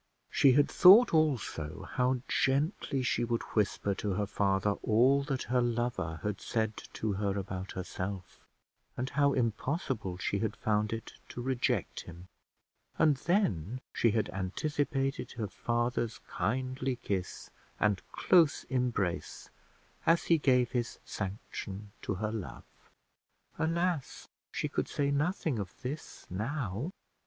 She had thought also how gently she would whisper to her father all that her lover had said to her about herself, and how impossible she had found it to reject him: and then she had anticipated her father's kindly kiss and close embrace as he gave his sanction to her love. Alas! she could say nothing of this now.